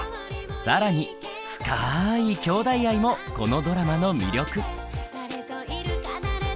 更に深いきょうだい愛もこのドラマの魅力。